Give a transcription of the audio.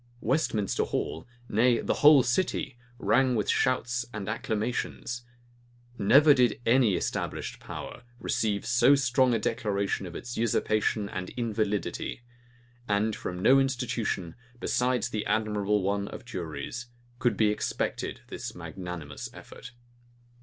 Westminster Hall, nay, the whole city, rang with shouts and acclamations. Never did any established power receive so strong a declaration of its usurpation and invalidity; and from no institution, besides the admirable one of juries, could be expected this magnanimous effort.